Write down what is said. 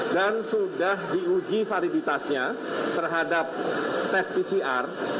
dan sudah diuji validitasnya terhadap tes pcr